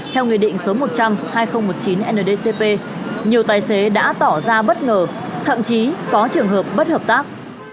theo nghị định số một trăm linh hai nghìn một mươi chín ndcp nhiều tài xế đã tỏ ra bất ngờ thậm chí có trường hợp bất hợp tác